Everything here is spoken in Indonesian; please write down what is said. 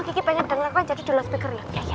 gigi pengen dengerkan jadi jelas figure ya ya